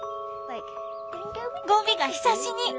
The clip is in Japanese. ゴビがひさしに！